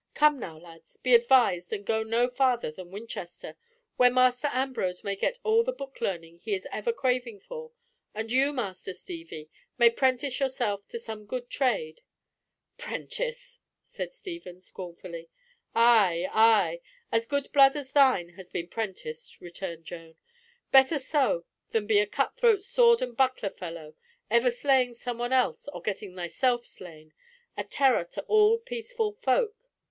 "Come now, lads, be advised and go no farther than Winchester, where Master Ambrose may get all the book learning he is ever craving for, and you, Master Steevie, may prentice yourself to some good trade." "Prentice!" cried Stephen, scornfully. "Ay, ay. As good blood as thine has been prenticed," returned Joan. "Better so than be a cut throat sword and buckler fellow, ever slaying some one else or getting thyself slain—a terror to all peaceful folk.